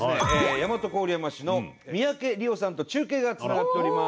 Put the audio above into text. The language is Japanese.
大和郡山市の三宅莉緒さんと中継がつながっております。